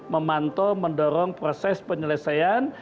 memantau mendorong proses penyelesaian